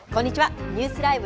ニュースＬＩＶＥ！